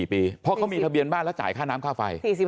๔ปีเพราะเขามีทะเบียนบ้านแล้วจ่ายค่าน้ำค่าไฟ